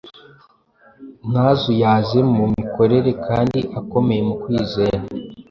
ntazuyaze mu mikorere kandi akomeye mu kwizera.